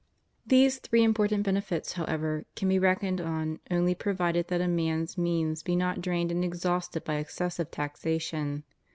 These three important benefits, however, can be reckoned on only provided that a man's means be not drained and exhausted by excessive taxation.